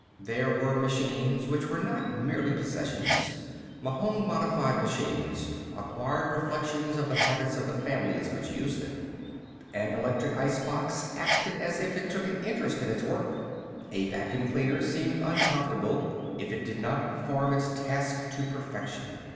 There were machines which were not merely possessions. Mahon modified machines acquired reflections of the habits of the families which used them. An electric icebox acted as if it took an interest in its work. A vacuum cleaner seemed uncomfortable if it did not perform its task to perfection.